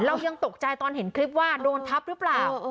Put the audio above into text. เรายังตกใจตอนเห็นคลิปว่าโดนทับหรือเปล่า